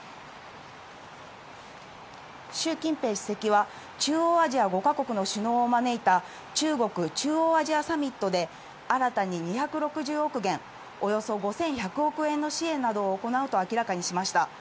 習近平主席は、中央アジア５か国の首脳を招いた、中国・中央アジアサミットで、新たに２６０億元、およそ５１００億円の支援などを行うと明らかにしました。